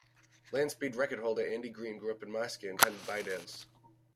Land Speed Record holder Andy Green grew up in Marske and attended Bydales.